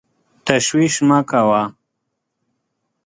تشویش مه کوه !